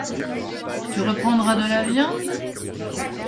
Tu reprendras de la viande ?